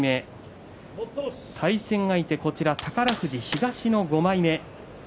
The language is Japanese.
対戦相手、宝富士、東の５枚目。